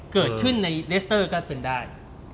เกิดขึ้นในเลสเตอร์ก็เป็นได้